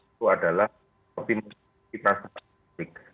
itu adalah optimalisasi transportasi publik